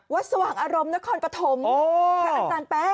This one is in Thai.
วัดสว่างอารมณ์นครปฐมอัตตานแป๊ะ